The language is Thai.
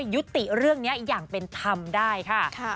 ยุติเรื่องนี้อย่างเป็นธรรมได้ค่ะ